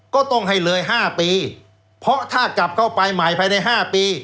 ก็ต้องให้เลย๕ปีเพราะถ้ากลับเข้าไปใหม่ภายใน๕ปี